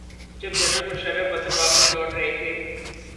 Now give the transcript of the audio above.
جب جنرل مشرف وطن واپس لوٹ رہے تھے۔